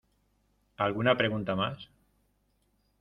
¿Alguna pregunta más?